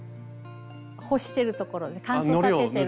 干してるところで乾燥させてる。